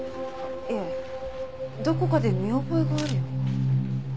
いえどこかで見覚えがあるような。